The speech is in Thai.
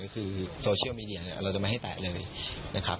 คือโซเชียลมีเดียเราจะไม่ให้แตะเลยนะครับ